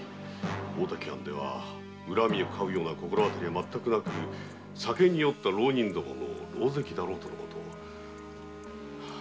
大滝藩では恨みをかうようなことは全くなく酒に酔った浪人どものろうぜきだろうとのこと。